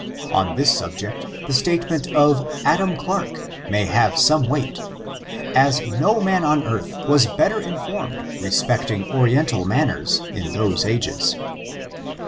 On this subject, the statement of Adam Clarke may have some weight, as no man on the earth was better inform ed respecting Oriental manners in those ages.